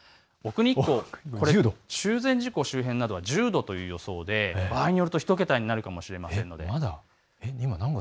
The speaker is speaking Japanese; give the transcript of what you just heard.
奥日光、中禅寺湖周辺などは１０度という予想で場合によると１桁になるかもしれません。